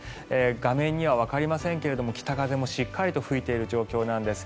画面ではわかりませんが北風もしっかり吹いている状況です。